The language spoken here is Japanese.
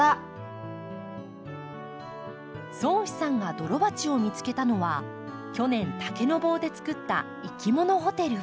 蒼士さんがドロバチを見つけたのは去年竹の棒でつくったいきものホテル。